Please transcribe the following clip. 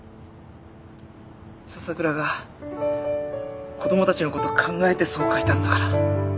笹倉が子供たちのこと考えてそう書いたんだから。